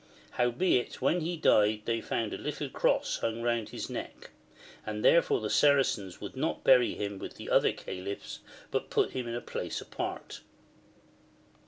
Howbeit, when he died they found a little cross hung round his neck ; and therefore the Saracens would not bury him with the other Califs, but put him in a place apart.